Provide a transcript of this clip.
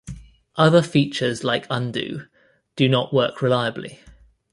Other features like Undo do not work reliably.